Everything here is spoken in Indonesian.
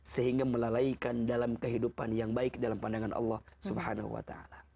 sehingga melalaikan dalam kehidupan yang baik dalam pandangan allah subhanahu wa ta'ala